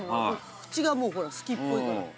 口がもうほら好きっぽいから。